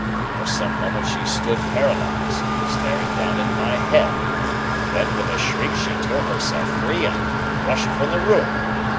For some moments she stood paralyzed, staring down at my head. Then with a shriek she tore herself free and rushed from the room.